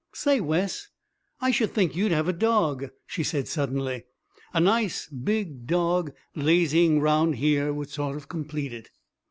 "Say, Wes, I should think you'd have a dog," she said suddenly. "A nice big dog lazying round here would sort of complete it."